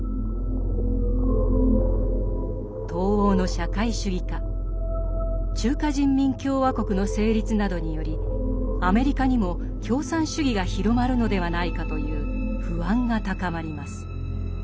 東欧の社会主義化中華人民共和国の成立などによりアメリカにも共産主義が広まるのではないかという不安が高まります。